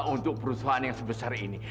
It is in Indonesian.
untuk perusahaan yang sebesar ini